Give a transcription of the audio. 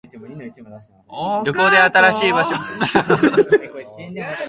旅行で新しい場所を発見したい。